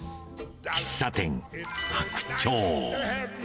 喫茶店、白鳥。